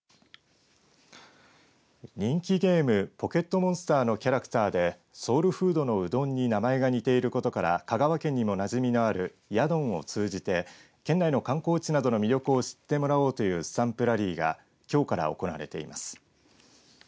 人気ゲームポケットモンスターのキャラクターでソウルフードのうどんに名前が似ていることから香川県にもなじみのあるヤドンを通じて県内の観光地などの魅力を知ってもらおうというスタンプラリーがきょうから行われています。